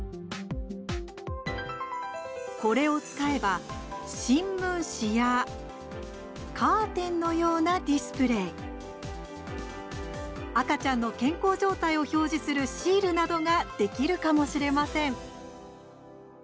これを使えば新聞紙やカーテンのようなディスプレー赤ちゃんの健康状態を表示するシールなどができるかもしれません。